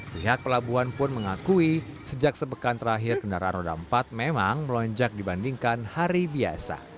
pihak pelabuhan pun mengakui sejak sepekan terakhir kendaraan roda empat memang melonjak dibandingkan hari biasa